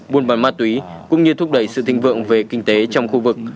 buôn bán ma túy cũng như thúc đẩy sự thịnh vượng về kinh tế trong khu vực